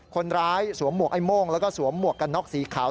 สวมหมวกไอ้โม่งแล้วก็สวมหมวกกันน็อกสีขาว